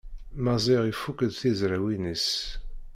Maziɣ ifukk-d tizrawin-is.